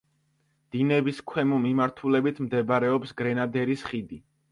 დინების ქვემო მიმართულებით მდებარეობს გრენადერის ხიდი.